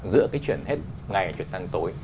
giữa cái chuyển hết ngày chuyển sang tối